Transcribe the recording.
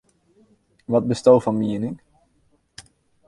Wat bisto fan miening?